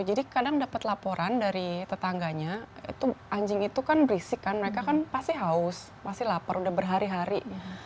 jadi kadang dapat laporan dari tetangganya anjing itu kan berisik kan mereka kan pasti haus pasti lapar udah berhari hari